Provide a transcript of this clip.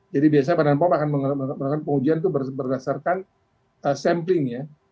jadi biasanya badan pom akan menerima pengujian itu berdasarkan sampling ya